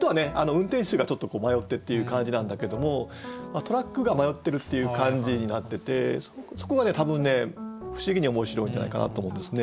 運転手がちょっと迷ってっていう感じなんだけどもトラックが迷ってるっていう感じになっててそこが多分不思議に面白いんじゃないかなと思うんですね。